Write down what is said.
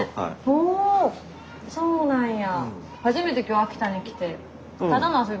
おそうなんや。